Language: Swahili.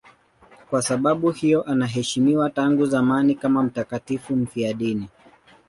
Kwa sababu hiyo anaheshimiwa tangu zamani kama mtakatifu mfiadini.